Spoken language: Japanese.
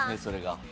それが。